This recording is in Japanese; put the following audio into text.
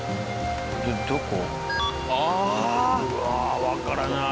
うわわからない。